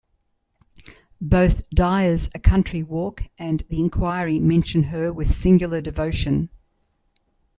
Both Dyer's "A Country Walk" and "The Inquiry" mention her with singular devotion.